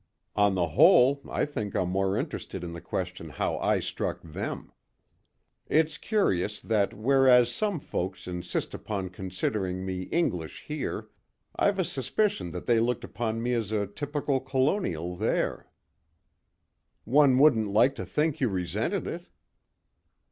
"On the whole, I think I'm more interested in the question how I struck them. It's curious that whereas some folks insist upon considering me English here, I've a suspicion that they looked upon me as a typical colonial there." "One wouldn't like to think you resented it."